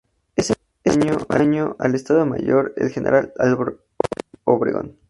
Ese mismo año pasó al Estado Mayor del general Álvaro Obregón.